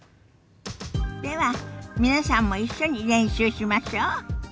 では皆さんも一緒に練習しましょ。